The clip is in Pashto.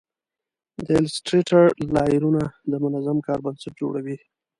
د ایلیسټریټر لایرونه د منظم کار بنسټ جوړوي.